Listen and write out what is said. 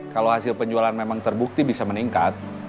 kalau hasil penjualan memang terbukti bisa meningkat